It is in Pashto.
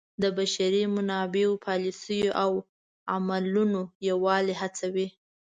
د بشري منابعو پالیسیو او عملونو یووالی هڅوي.